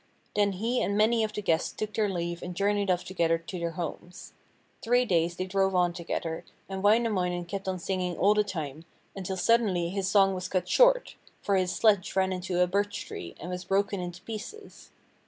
Then he and many of the guests took their leave and journeyed off together to their homes. Three days they drove on together, and Wainamoinen kept on singing all the time, until suddenly his song was cut short, for his sledge ran into a birch tree and was broken into pieces.